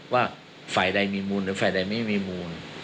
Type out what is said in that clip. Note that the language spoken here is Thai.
ว่าฝ่ายใดมีมูลหรือฝ่ายใดไม่มีมูล